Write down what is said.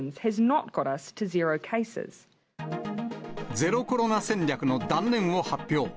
ゼロコロナ戦略の断念を発表。